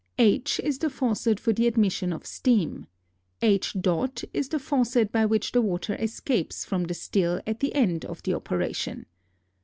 H is the faucet for the admission of steam; H. is the faucet by which the water escapes from the still at the end of the operation.